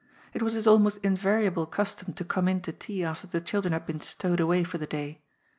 It was his almost invari able custom to come in to tea after the children had been stowed away for the day.